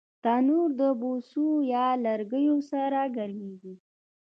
تنور د بوسو یا لرګیو سره ګرمېږي